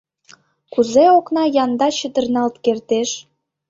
— Кузе окна янда чытырналт кертеш?